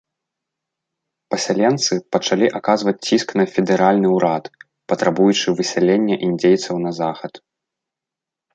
Пасяленцы пачалі аказваць ціск на федэральны ўрад, патрабуючы высялення індзейцаў на захад.